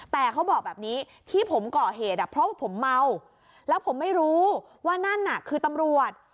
แต่เขาบอกแบบนี้ที่ผมก่อเหตุอ่ะเพราะว่าผมเมาแล้วผมไม่รู้ว่านั่นน่ะคือตำรวจ